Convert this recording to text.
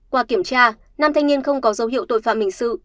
qua kiểm tra nam thanh niên không có dấu hiệu tội phạm hình sự